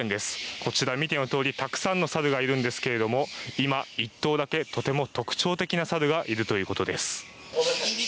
こちら、見てのとおりたくさんのサルがいるんですけども今１頭だけとても特徴的なサルがいるということです。